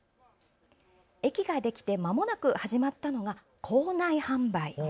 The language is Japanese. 駅ができてまもなく始まったのが構内販売。